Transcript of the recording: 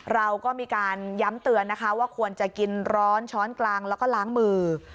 เราก็มีการย้ำเตือนนะคะว่าควรจะกินร้อนช้อนกลางแล้วก็ล้างมือ